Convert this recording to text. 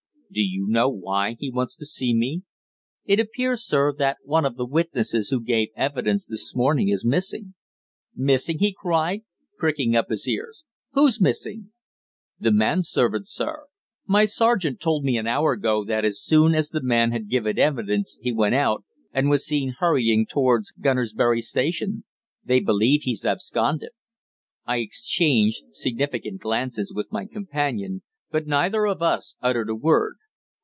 "Do you know why he wants to see me?" "It appears, sir, that one of the witnesses who gave evidence this morning is missing." "Missing!" he cried, pricking up his ears. "Who's missing?" "The manservant, sir. My sergeant told me an hour ago that as soon as the man had given evidence he went out, and was seen hurrying towards Gunnersbury Station. They believe he's absconded." I exchanged significant glances with my companion, but neither of us uttered a word.